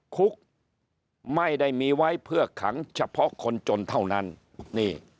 คุกไม่ได้มีไว้เพื่อขังเฉพาะคนจนเท่านั้นนี่